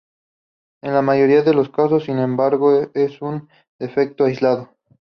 En la mayoría de los casos, sin embargo, es un defecto aislado.